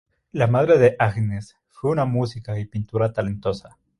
La madre de Agnes fue una música y pintora talentosa.